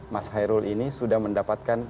mas hairul ini sudah mendapatkan